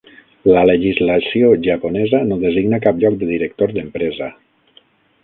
La legislació japonesa no designa cap lloc de director d'empresa.